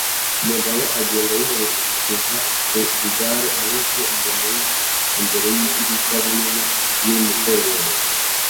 Umugabo ugenda yerekeza ku igare aboshye umunyururu imbere yidirishya rinini nimugoroba